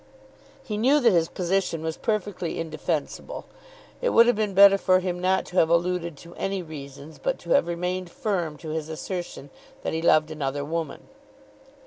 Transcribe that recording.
He knew that his position was perfectly indefensible. It would have been better for him not to have alluded to any reasons, but to have remained firm to his assertion that he loved another woman.